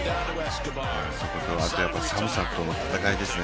そこと、寒さとの戦いですね。